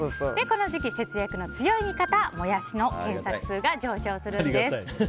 この時期節約の強い味方、モヤシの検索数が上昇するんです。